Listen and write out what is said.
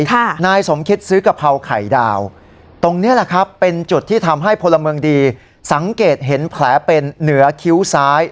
นายสมคิดซื้อกะเพราไข่ดาวตรงเนี้ยแหละครับเป็นจุดที่ทำให้พลเมืองดีสังเกตเห็นแผลเป็นเหนือคิ้วซ้าย